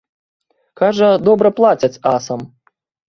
Кажа, добра плацяць асам.